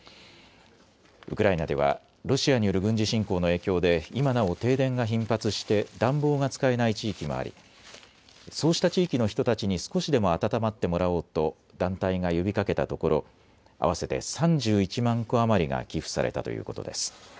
ウクライナではロシアによる軍事侵攻の影響で今なお停電が頻発して暖房が使えない地域もありそうした地域の人たちに少しでも暖まってもらおうと団体が呼びかけたところ、合わせて３１万個余りが寄付されたということです。